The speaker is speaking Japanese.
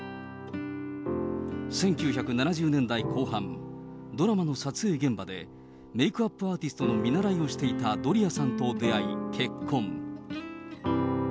１９７０年代後半、ドラマの撮影現場で、メークアップアーティストの見習いをしていたドリアさんと出会い、結婚。